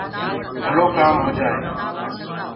ڀلو ڪآم هوجآئي